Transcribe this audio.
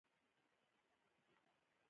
بدرنګه خبرې له مینې خالي وي